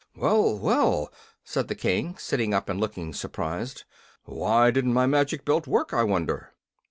"Well, well!" said the King, sitting up and looking surprised. "Why didn't my magic belt work, I wonder?"